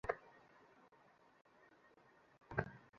আজ হেমনলিনীর জন্য কমলা মনের মধ্যে বড়োই একটা বেদনা অনুভব করিতে লাগিল।